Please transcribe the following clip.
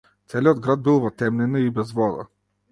Целиот град бил во темнина и без вода.